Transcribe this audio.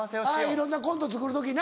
いろんなコント作る時な。